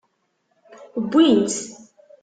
Wwin-tt.